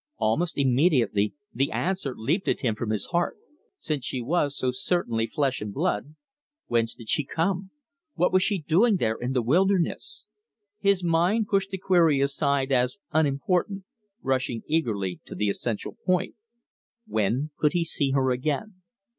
Almost immediately the answer leaped at him from his heart. Since she was so certainly flesh and blood, whence did she come? what was she doing there in the wilderness? His mind pushed the query aside as unimportant, rushing eagerly to the essential point: When could he see her again?